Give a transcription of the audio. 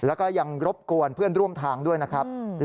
แล้วก็ยังรบกวนเพื่อนร่วมทางด้วยนะครับ